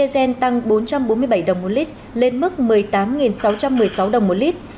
hai gen tăng bốn trăm bốn mươi bảy đồng một lít lên mức một mươi tám sáu trăm một mươi sáu đồng một lít